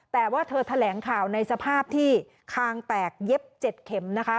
แต่ว่าเธอแถลงข่าวในสภาพที่คางแตกเย็บ๗เข็มนะคะ